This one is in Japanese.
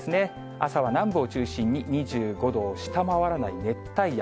朝は南部を中心に２５度を下回らない熱帯夜。